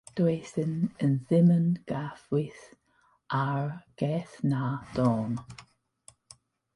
Doeddwn i ddim yn gyfarwydd â'r gerdd na'r dôn